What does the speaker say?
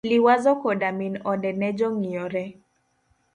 Liwazo koda min ode ne jong'iyore